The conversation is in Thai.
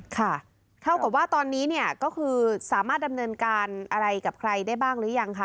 ค่ะเท่ากับว่าตอนนี้เนี่ยก็คือสามารถดำเนินการอะไรกับใครได้บ้างหรือยังคะ